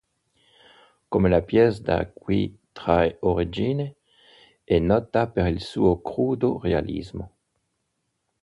Come la pièce da cui trae origine, è nota per il suo crudo realismo.